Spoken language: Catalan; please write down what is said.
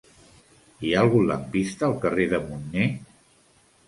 Hi ha algun lampista al carrer de Munné?